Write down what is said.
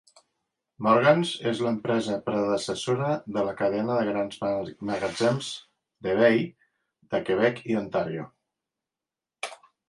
Morgan's és l'empresa predecessora de la cadena de grans magatzems The Bay del Quebec i Ontario.